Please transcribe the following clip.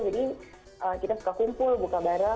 jadi kita suka kumpul buka bareng